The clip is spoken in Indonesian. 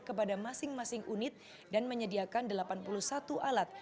kepada masing masing unit dan menyediakan delapan puluh satu alat